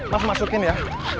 mas masukin ya